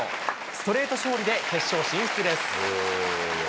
ストレート勝利で、決勝進出です。